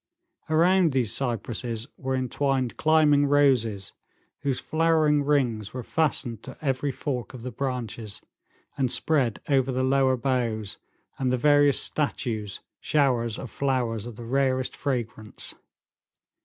Around these cypresses were entwined climbing roses, whose flowering rings were fastened to every fork of the branches, and spread over the lower boughs and the various statues, showers of flowers of the rarest fragrance.